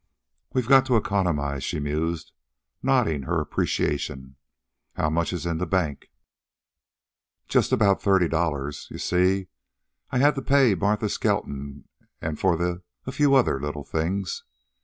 "We've got to economize," she mused, nodding her appreciation. "How much is in bank?" "Just about thirty dollars. You see, I had to pay Martha Skelton an' for the... a few other little things.